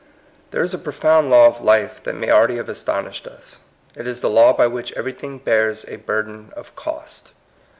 There is a profound law of life that may already have astonished us. It is the law by which everything bears a burden of cost.